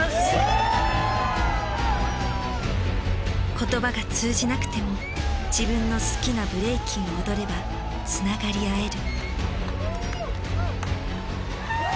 言葉が通じなくても自分の好きなブレイキンを踊ればつながり合える。